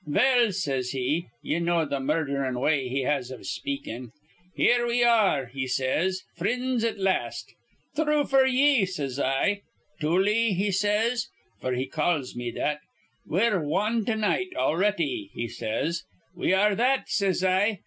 "'Vell,' says he (ye know th' murdhrin' way he has iv speakin'), 'here we are,' he says, 'frinds at las'.' 'Thrue f'r ye,' says I. 'Tooley,' he says, f'r he calls me that, 'we're wan to night, alretty,' he says. 'We are that,' says I.